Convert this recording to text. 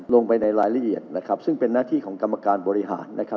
ลงไปในรายละเอียดนะครับซึ่งเป็นหน้าที่ของกรรมการบริหารนะครับ